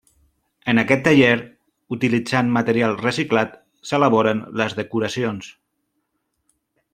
En aquest taller, utilitzant material reciclat, s'elaboren les decoracions.